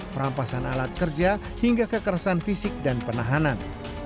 perampasan alat kerja hingga kekerasan fisik dan penahanan